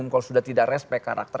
kalau sudah tidak respect karakter